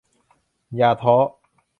อย่าท้อ